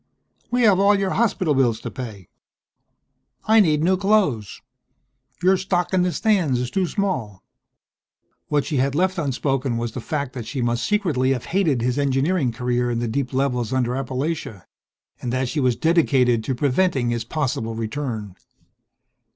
"We have all your hospital bills to pay. I need new clothes. Your stock in the stands is too small." What she left unspoken was the fact that she must secretly have hated his engineering career in the deep levels under Appalachia, and that she was dedicated to preventing his possible return....